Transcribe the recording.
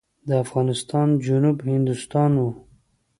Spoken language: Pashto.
د افغانستان جنوب هندوستان و.